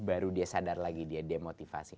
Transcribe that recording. baru dia sadar lagi dia demotivasi